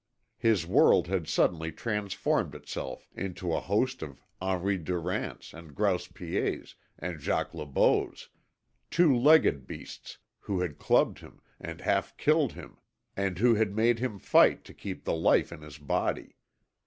His world had suddenly transformed itself into a host of Henri Durants and Grouse Piets and Jacques Le Beaus, two legged beasts who had clubbed him, and half killed him, and who had made him fight to keep the life in his body.